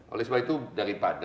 oleh sebab itu dari pandemi